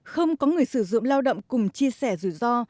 không có người sử dụng lao động cùng chia sẻ rủi ro